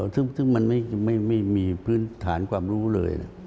ซึ่งมันไม่มีพื้นฐานความรู้เลย